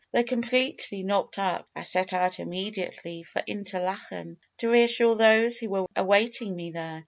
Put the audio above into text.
Though completely knocked up, I set out immediately for Interlachen, to reassure those who were awaiting me there.